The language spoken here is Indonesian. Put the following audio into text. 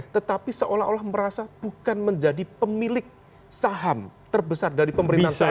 tetapi seolah olah merasa bukan menjadi pemilik saham terbesar dari pemerintahan sekarang